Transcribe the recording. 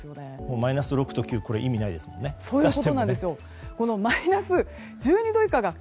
マイナス６と９は意味がないですね。